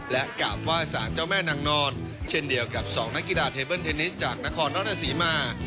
และกราบไหว้สารเจ้าแม่นางนอนเช่นเดียวกับสองนักกีฬาเทเบิ้ลเทนนิสจากนครราชศรีมา